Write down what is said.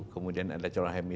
kemudian ada calon hmi